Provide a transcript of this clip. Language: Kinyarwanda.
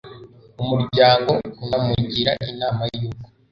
umuryango, anamugira inama y'uko